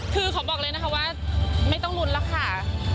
คือขอบอกเลยนะคะว่าไม่ต้องลุ้นแล้วค่ะ